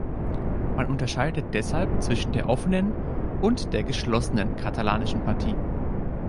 Man unterscheidet deshalb zwischen der "offenen" und der "geschlossenen" Katalanischen Partie.